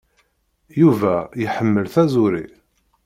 Yuba iḥemmel taẓuri.